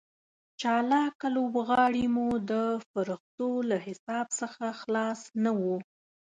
چالاکه لوبغاړي مو د فرښتو له حساب څخه خلاص نه وو.